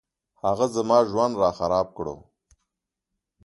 هغه زما ژوند راخراب کړو